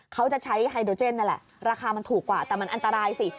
เขาจะใช้ไฮโดรเจนนั่นแหละราคามันถูกกว่าแต่มันอันตรายสิ